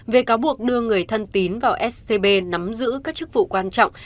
về cáo buộc đưa người thân tín vào scb nắm giữ các chức vụ quan trọng